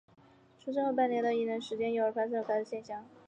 是出生后半年到一年之间的时候幼儿有发生的发热现象。